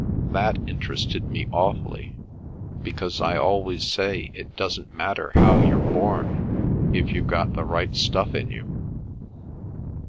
That interested me awfully, because I always say it doesn't matter how you're born if you've got the right stuff in you.